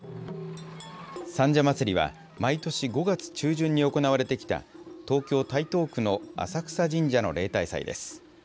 三社祭は、毎年５月中旬に行われてきた東京・台東区の浅草神社の例大祭です。